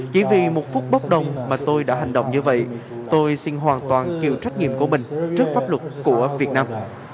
chỉ vì một phút bốc đồng mà tôi đã hành động như vậy tôi xin hoàn toàn chịu trách nhiệm của mình trước pháp luật của việt nam